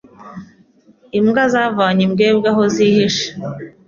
Imbwa zavanye imbwebwe aho zihishe.